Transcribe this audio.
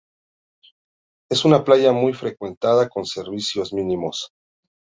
Es una playa muy frecuentada con servicios mínimos.